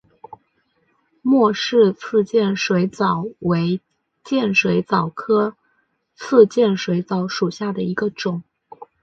莫氏刺剑水蚤为剑水蚤科刺剑水蚤属下的一个种。